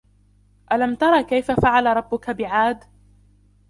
ألم تر كيف فعل ربك بعاد